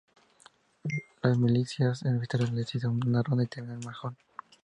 Las milicias universitarias las hizo en Ronda y las terminó en Mahón.